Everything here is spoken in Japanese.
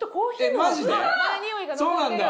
そうなんだ！